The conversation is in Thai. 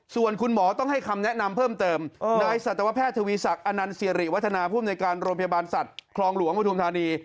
ส่วนคุณหมอต้องให้คำแนะนำเพิ่มเติมนายสัตวแพทย์ทวีศักดิ์อนันต์สิริวัฒนาภูมิในการโรงพยาบาลสัตว์คลองหลวงปฐุมธานี